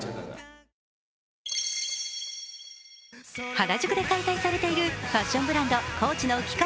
原宿で開催されているファッションブランド、ＣＯＡＣＨの期間